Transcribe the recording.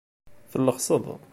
Tellexseḍ.